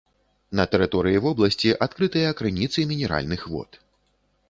На тэрыторыі вобласці адкрытыя крыніцы мінеральных вод.